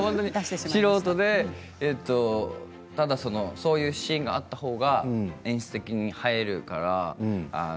そういうシーンがあったほうが演出的に映えるから。